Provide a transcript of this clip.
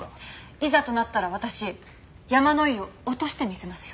いざとなったら私山野井を落としてみせますよ。